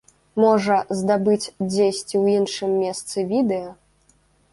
Можа, здабыць дзесьці ў іншым месцы відэа.